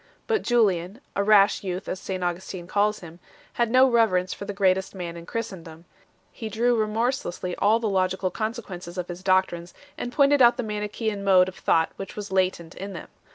But Julian a rash youth, as St Augustin calls him had no reverence for the greatest man in Christendom ; he drew remorselessly all the logical consequences of his doctrines, and pointed out the Manichaean mode of thought which was latent in them.